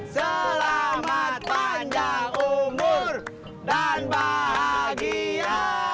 selamat panjang umur dan bahagia